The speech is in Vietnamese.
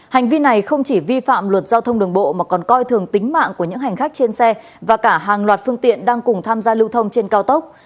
hành vi này không chỉ vi phạm luật giao thông đường bộ mà còn coi thường tính mạng của những hành khách trên xe và cả hàng loạt phương tiện đang cùng tham gia lưu thông trên cao tốc